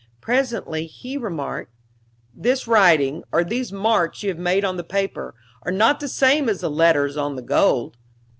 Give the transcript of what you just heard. Presently he remarked: "This writing, or these marks you have made on the paper, are not the same as the letters on the gold."